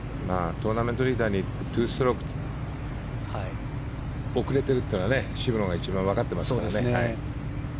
トーナメントリーダーに２ストローク遅れているというのは渋野が一番わかってますからね。